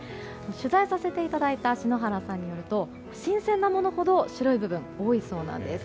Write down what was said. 取材した篠原さんによると新鮮なものほど白い部分が多いそうなんです。